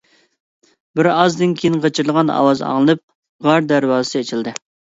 بىرئازدىن كېيىن غىچىرلىغان ئاۋاز ئاڭلىنىپ، غار دەرۋازىسى ئېچىلدى.